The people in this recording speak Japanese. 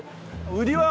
売りは？